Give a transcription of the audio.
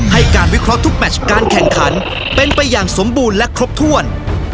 ให้การวิเคราะห์ทุกแมชการแข่งขันเป็นไปอย่างสมบูรณ์และครบถ้วน